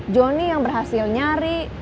johnny yang berhasil nyari